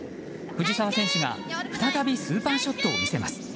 藤澤選手が再びスーパーショットを見せます。